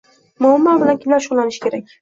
Muammo bilan kimlar shugʻullanishi kerak?